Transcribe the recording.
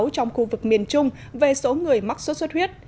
trong khu vực miền trung về số người mắc sốt xuất huyết